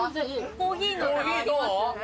コーヒーどう？